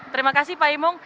terima kasih pak imo